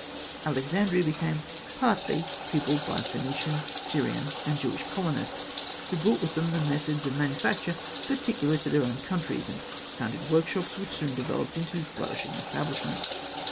Alexandria became partly peopled by Phoenician, Syrian, and Jewish colonists, who brought with them the methods of manufacture peculiar to their own countries, and founded workshops which soon developed into flourishing establishments.